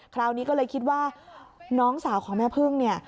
คราวนี้ก็เลยคิดว่าน้องสาวของแม่พึ่งเนี่ย